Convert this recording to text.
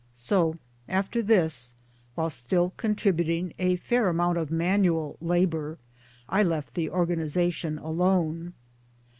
So after this, while still 1 con tributing a fair amount of manual labour I left the organization alone.